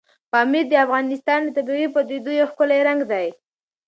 پامیر د افغانستان د طبیعي پدیدو یو ښکلی رنګ دی.